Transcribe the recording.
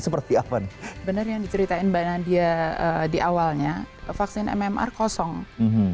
seperti apa nih bener yang diceritain mbak nadia di awalnya vaksin mmr kosong hmm hmm